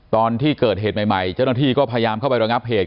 ตอนที่เกิดเหตุใหม่เจ้าหน้าที่ก็พยายามเข้าไประงับเหตุ